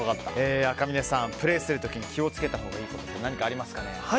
アカミネさん、プレーする時に気を付けたほうがいいことって何かありますかね。